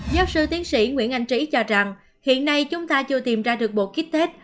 giáo sư tiến sĩ nguyễn anh trí cho rằng hiện nay chúng ta chưa tìm ra được bộ kích tết